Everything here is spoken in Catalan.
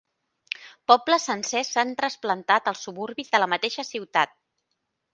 Pobles sencers s'han trasplantat als suburbis de la mateixa ciutat.